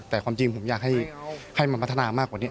แต่ความจริงผมอยากให้มันพัฒนามากกว่านี้